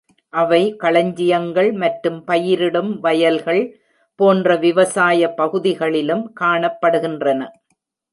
அவை களஞ்சியங்கள் மற்றும் பயிரிடும் வயல்கள் போன்ற விவசாய பகுதிகளிலும் காணப்படுகின்றன.